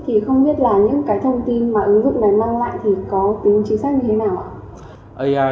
thì không biết là những cái thông tin mà ứng dụng này mang lại thì có tính chính xác như thế nào ạ